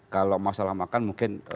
kalau masalah makan mungkin